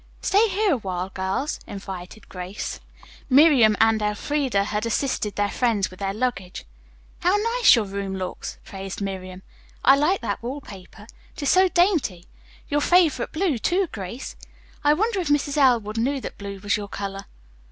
"Stay here a while, girls," invited Grace. Miriam and Elfreda had assisted their friends with their luggage. "How nice your room looks," praised Miriam. "I like that wall paper. It is so dainty. Your favorite blue, too, Grace. I wonder if Mrs. Elwood knew that blue was your color?"